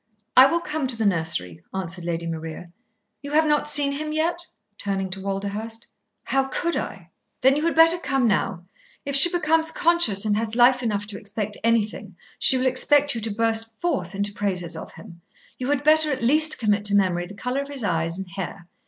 "I will come to the nursery," answered Lady Maria. "You have not seen him yet?" turning to Walderhurst. "How could I?" "Then you had better come now. If she becomes conscious and has life enough to expect anything, she will expect you to burst forth into praises of him. You had better at least commit to memory the colour of his eyes and hair.